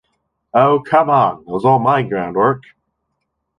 Oh, come on, that was all my groundwork.